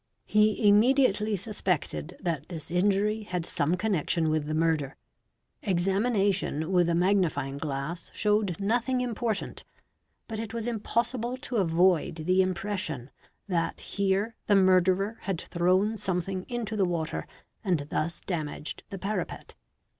He immediately suspected that this inj had some connection with the murder; examination with a magnifying — glass showed nothing important, but it was impossible to avoid the im: pression that here the murderer had thrown something into the watet and thus damaged the parapet.